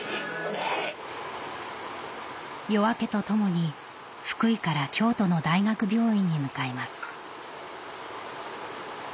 夜明けとともに福井から京都の大学病院に向かいます